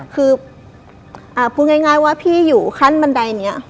คือพูดง่ายว่าพี่อยู่ขั้นบันไดนี้